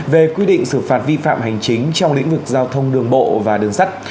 về quy định xử phạt vi phạm hành chính trong lĩnh vực giao thông đường bộ và đường sắt